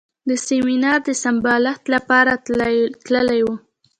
د سیمینار د سمبالښت لپاره تللی و.